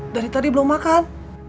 dari tadi belum makan